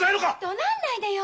どなんないでよ。